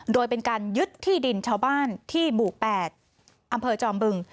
โดยเป็นการยึดที่ดินชาวบ้านที่หมู่๘อำเภอจอมบึง